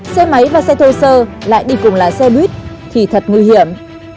xe máy và xe thô sơ lại đi cùng lái xe buýt thì thật nguy hiểm